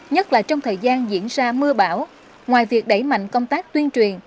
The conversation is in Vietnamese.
nhất là trong thời gian diễn ra mưa bão ngoài việc đẩy mạnh công tác tuyên truyền